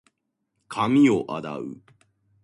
髪を洗う。